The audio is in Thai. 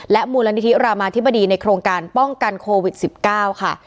มูลนิธิรามาธิบดีในโครงการป้องกันโควิด๑๙ค่ะ